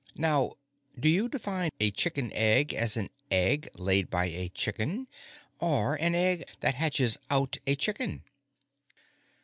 Now, do you define a chicken egg as an egg laid by a chicken or an egg that hatches out a chicken?"